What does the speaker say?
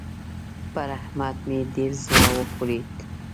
پر احمد مې ډېر زړه وخوږېد.